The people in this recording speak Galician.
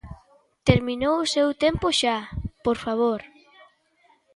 ¡Terminou o seu tempo xa, por favor!